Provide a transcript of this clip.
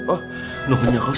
oh nuhunya kos